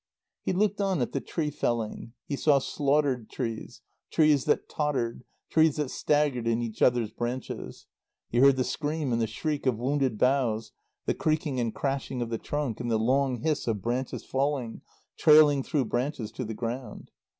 He looked on at the tree felling. He saw slaughtered trees, trees that tottered, trees that staggered in each other's branches. He heard the scream and the shriek of wounded boughs, the creaking and crashing of the trunk, and the long hiss of branches falling, trailing through branches to the ground.